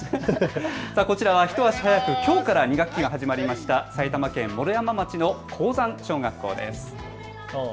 こちらは一足早く、きょうから２学期が始まりました埼玉県毛呂山町の光山小学校です。